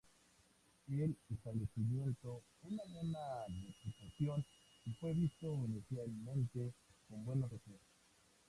Él estableció una buena reputación y fue visto inicialmente con buenos ojos.